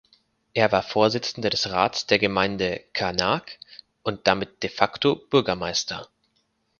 Er war Vorsitzender des Rats der Gemeinde Qaanaaq und damit de facto Bürgermeister.